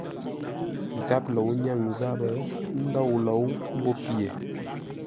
Gháp lǒu nyáŋ záp ndôu lǒu mbó pye.